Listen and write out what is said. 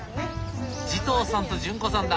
慈瞳さんと潤子さんだ。